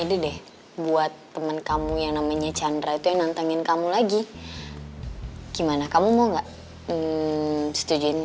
deh buat temen kamu yang namanya chandra tenang tangan kamu lagi gimana kamu mau nggak setujuin